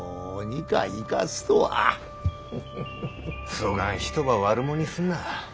そがん人ば悪者にすんな。